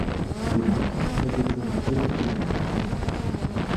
Sie machten in der Sitzung törichte Bemerkungen.